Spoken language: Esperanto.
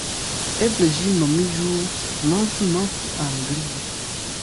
Eble ĝi nomiĝu Nov-Nov-Anglio.